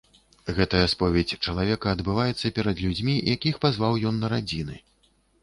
Гэтая споведзь чалавека адбываецца перад людзьмі, якіх пазваў ён на радзіны.